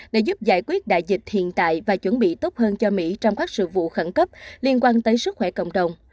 để giúp giải quyết đại dịch hiện tại và chuẩn bị tốt hơn cho mỹ trong các sự vụ khẩn cấp liên quan tới sức khỏe cộng đồng